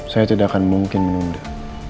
saya tidak akan mungkin menunda